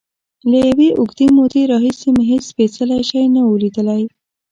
له یوې اوږدې مودې راهیسې مې هېڅ سپېڅلی شی نه و لیدلی.